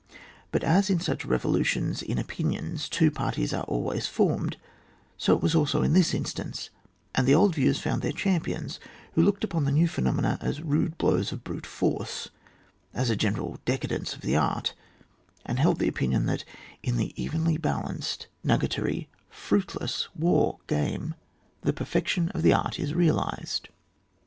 But as in such revolu tions in opinions two parties are always formed, so it was also in this instance, and the old views found their champions, who looked upon the new phenomena as rude blows of brute force, as a general decadence of the art ; and held the opi nion that, in the evenly balanced, nuga tory, fruitless war game, the perfection of the art is realised.